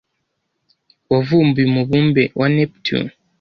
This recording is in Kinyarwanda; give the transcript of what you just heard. yavumbuye umubumbe wa Neptune